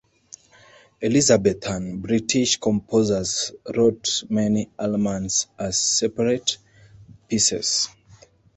Elizabethan British composers wrote many "Almans" as separate pieces.